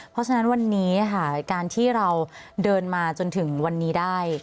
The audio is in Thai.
เพราะฉะนั้นวันนี้ค่ะการที่เราเดินมาจนถึงวันนี้ได้